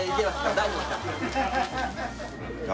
大丈夫ですか？